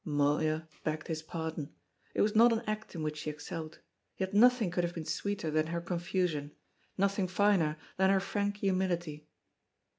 Moya begged his pardon. It was not an act in which she excelled. Yet nothing could have been sweeter than her confusion, nothing finer than her frank humility.